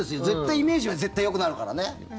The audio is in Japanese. イメージは絶対よくなるからね。